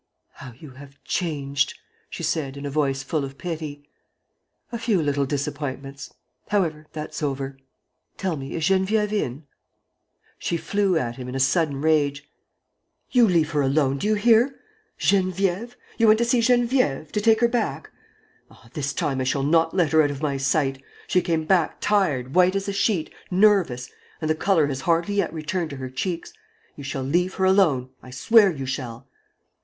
"How you have changed!" she said, in a voice full of pity. "A few little disappointments. ... However, that's over. ... Tell me, is Geneviève in?" She flew at him, in a sudden rage: "You leave her alone, do you hear? Geneviève? You want to see Geneviève, to take her back? Ah, this time I shall not let her out of my sight! She came back tired, white as a sheet, nervous; and the color has hardly yet returned to her cheeks. You shall leave her alone, I swear you shall."